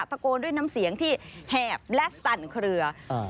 ตะโกนด้วยน้ำเสียงที่แหบและสั่นเคลือ